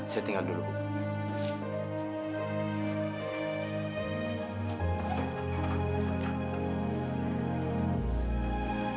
saya tinggal dulu bu